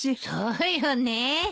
そうよね。